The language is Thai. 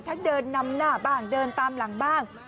เดินนำหน้าบ้างเดินตามหลังบ้าง